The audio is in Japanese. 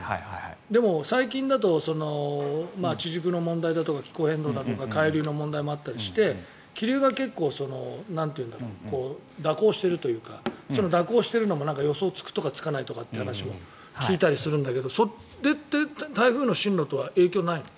でも、最近だと地軸の問題とか気候変動とか海面の問題もあって気流が結構、蛇行してるというか蛇行してるのも予想つくとかつかないとかって話も聞いたりするんだけどそれって台風の進路とは影響ないの？